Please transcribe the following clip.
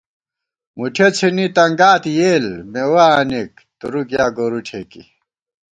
مُٹھیَہ څِھنی تنگات یېل مېوَہ آنِک تُرُک یا گورُو ٹھېکی